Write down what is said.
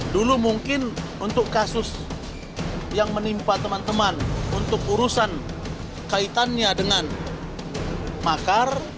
dulu mungkin untuk kasus yang menimpa teman teman untuk urusan kaitannya dengan makar